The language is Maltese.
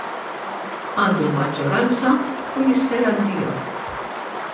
Għandu l-maġġoranza u jista' jgħaddiha.